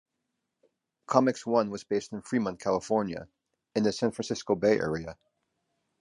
ComicsOne was based in Fremont, California, in the San Francisco Bay Area.